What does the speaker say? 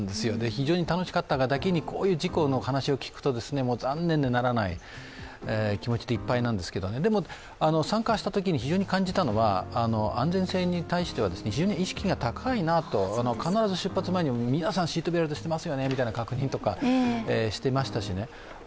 非常に楽しかったがだけに、こういう事故の話を聞くと残念でならない気持ちでいっぱいなんですけどでも、参加したときに非常に感じたのは安全性に対しては非常に意識が高いなと、必ず出発前にも皆さんシートベルトしてますよねみたいな確認とかしてましたし